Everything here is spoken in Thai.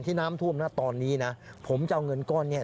น้ำท่วมนะตอนนี้นะผมจะเอาเงินก้อนนี้